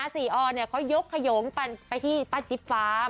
ออนเขายกขยงไปที่ป้าจิ๊บฟ้าม